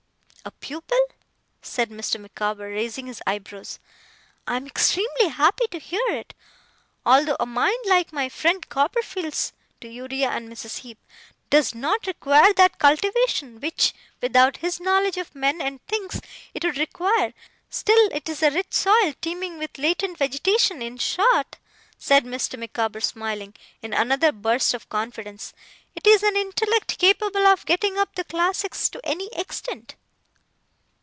'A pupil?' said Mr. Micawber, raising his eyebrows. 'I am extremely happy to hear it. Although a mind like my friend Copperfield's' to Uriah and Mrs. Heep 'does not require that cultivation which, without his knowledge of men and things, it would require, still it is a rich soil teeming with latent vegetation in short,' said Mr. Micawber, smiling, in another burst of confidence, 'it is an intellect capable of getting up the classics to any extent.